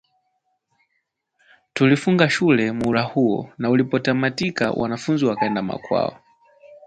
Tulifunga shule muhula huo ulipotamati kanao wanafunzi wakaenda makwao